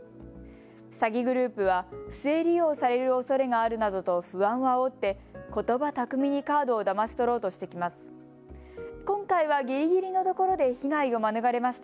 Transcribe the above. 詐欺グループは、不正利用されるおそれがあるなどと不安をあおってことば巧みにカードをだまし取ろうとしてきます。